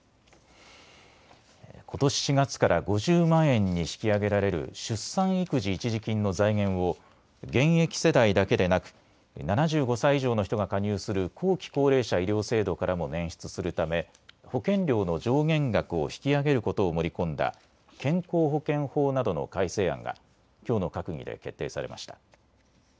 ことし４月から５０万円に引き上げられる出産育児一時金の財源を現役世代だけでなく７５歳以上の人が加入する後期高齢者医療制度からも捻出するため保険料の上限額を引き上げることを盛り込んだ健康保険法などの改正案がきょうの閣議で決定されました。